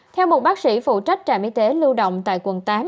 theo một bác sĩ phụ trách trạm y tế lưu động tại quận tám